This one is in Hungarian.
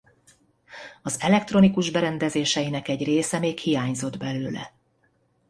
Az elektronikus berendezéseinek egy része még hiányzott belőle.